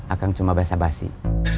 akang cuma basah basih